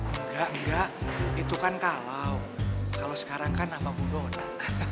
engga engga itu kan kalau kalau sekarang kan sama bu dona